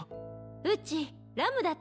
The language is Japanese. うちラムだ